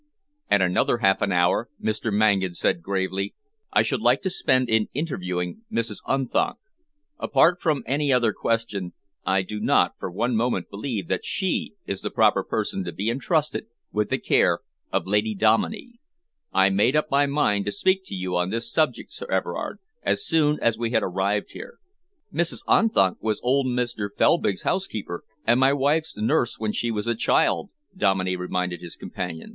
"And another half an hour," Mr. Mangan said gravely, "I should like to spend in interviewing Mrs. Unthank. Apart from any other question, I do not for one moment believe that she is the proper person to be entrusted with the care of Lady Dominey. I made up my mind to speak to you on this subject, Sir Everard, as soon as we had arrived here." "Mrs. Unthank was old Mr. Felbrigg's housekeeper and my wife's nurse when she was a child," Dominey reminded his companion.